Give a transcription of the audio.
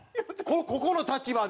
ここの立場で。